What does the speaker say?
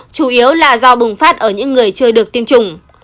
chủ yếu là do bùng phát ở những người chưa được tiêm chủng